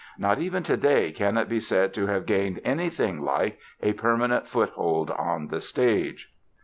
Not even today can it be said to have gained anything like a permanent foothold on the stage.